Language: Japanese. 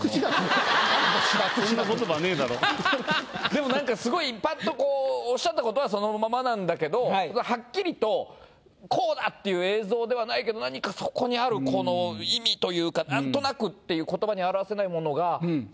でもなんかすごいパッとこうおっしゃった事はそのままなんだけどはっきりとこうだ！っていう映像ではないけど何かそこにあるこの意味というかなんとなくっていうなるほど。